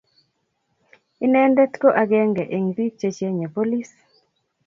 inende ko agenge eng' biik che chenye polis